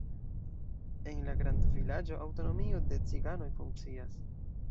En la grandvilaĝo aŭtonomio de ciganoj funkcias.